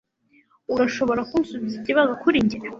Urashobora kunsubiza ikibazo kuri njye?